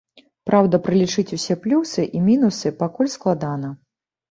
Праўда, пралічыць усе плюсы і мінусы пакуль складана.